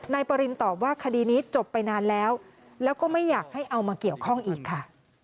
นายปรินตอบว่าคดีนี้จบไปนานแล้วแล้วก็ไม่อยากให้เอามาเกี่ยวข้องอีกค่ะ